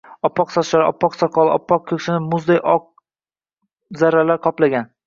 Oppoq sochlari, oppoq soqoli, oppoq ko‘ksini muzday qor zarralari qoplagan.